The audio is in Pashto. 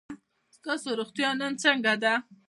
ستاسو روغتیا نن څنګه ده؟